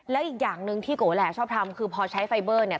แล้วอีกอย่างหนึ่งที่โกแหล่ชอบทำคือพอใช้ไฟเบอร์เนี่ย